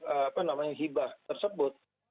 apa namanya hibah tersebut